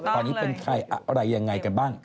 ตอนนี้เป็นใครอะไรยังไงกันบ้าง